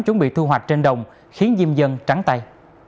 chuẩn bị thu hoạch trên đồng khiến diêm dân trắng tay